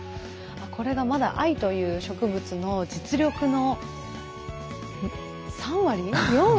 これがまだ藍という植物の実力の３割４割？